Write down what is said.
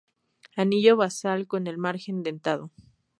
Anillo basal con el margen dentado.